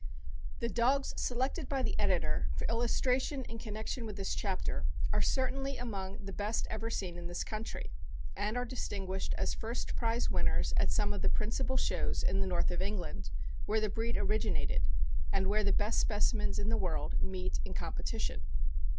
The dogs selected by the Editor for illustration in con nection with this chapter are certainly among the best ever seen in this country, and are distinguished as first prize winners at some of the principal shows in the north of England, where the breed originated, and where the best specimens in the world meet in competition.